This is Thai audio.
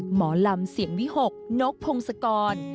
หมอลำเสียงวิหกนกพงศกร